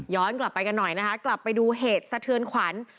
กลับไปกันหน่อยนะคะกลับไปดูเหตุสะเทือนขวัญ